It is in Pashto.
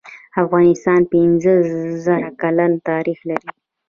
افغانستان پنځه زر کلن تاریخ لري.